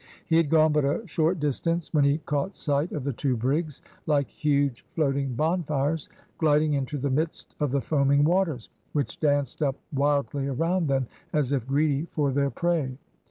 He had gone but a short distance when he caught sight of the two brigs, like huge floating bonfires, gliding into the midst of the foaming waters, which danced up wildly around them, as if greedy for their prey.